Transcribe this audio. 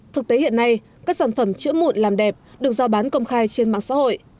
thực tế hiện nay các sản phẩm chữa mụn làm đẹp được giao bán công khai trên mạng xã hội